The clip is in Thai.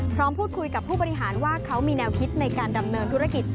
พร้อมพูดคุยกับผู้บริหารว่าเขามีแนวคิดในการดำเนินธุรกิจ